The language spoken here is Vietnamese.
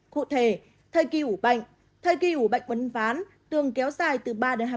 cụ thể thời kỳ ủ bệnh thời kỳ ủ bệnh uấn ván tương kéo dài từ ba đến hai mươi một ngày